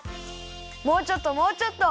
もうちょっともうちょっと！